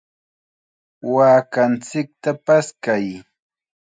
¡Waakanchikta paskay!